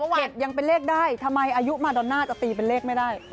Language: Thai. ๗ยังเป็นเลขได้ทำไมอายุมาดอนน่าจะตีเป็นเลขไม่ได้